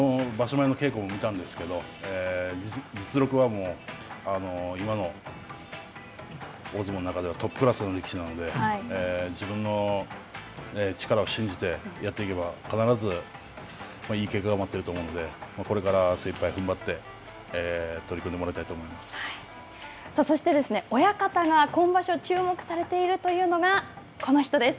前の稽古も見たんですけど、実力は今の大相撲の中ではトップクラスの力士なので、自分の力を信じてやっていけば、必ず、いい結果が待っていると思うので、これから、精いっぱいふんばって、そして、親方が今場所、注目されているというのが、この人です。